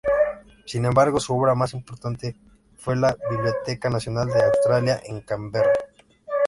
Sin embargo, su obra más importante fue la Biblioteca Nacional de Australia, en Canberra.